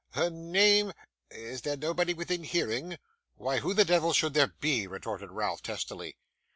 Her name is there nobody within hearing?' 'Why, who the devil should there be?' retorted Ralph, testily.